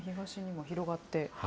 東にも広がって。